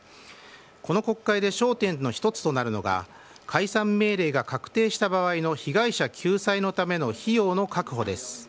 この国会で焦点の一つとなるのが解散命令が確定した場合の被害者救済のための費用の確保です。